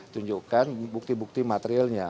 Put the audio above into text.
tunjukkan bukti bukti materialnya